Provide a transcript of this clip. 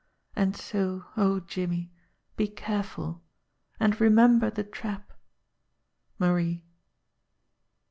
And so, oh, Jimmie, be careful and remember the trap. Marie."